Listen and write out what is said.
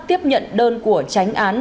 tiếp nhận đơn của tránh án